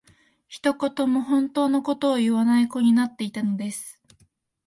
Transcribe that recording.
一言も本当の事を言わない子になっていたのです